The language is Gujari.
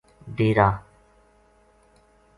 ڈیرا